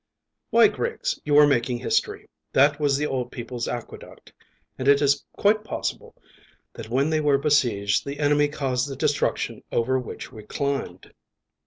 "Why, Griggs, you are making history. That was the old people's aqueduct, and it is quite possible that when they were besieged the enemy caused the destruction over which we climbed."